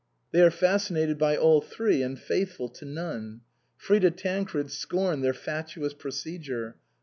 They are fascinated by all three and faithful to none. Frida Tancred scorned their fatuous procedure.